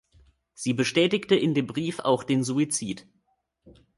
Sie bestätigte in dem Brief auch den Suizid.